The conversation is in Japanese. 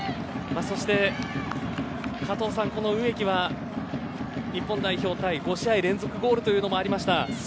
そして、加藤さん植木は、日本代表タイ５試合連続ゴールもありました。